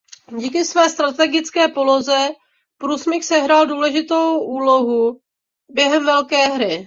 Díky své strategické poloze průsmyk sehrál důležitou úlohu během Velké hry.